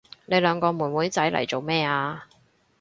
你兩個妹妹仔嚟做乜啊？